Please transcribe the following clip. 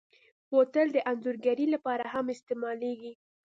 بوتل د انځورګرۍ لپاره هم استعمالېږي.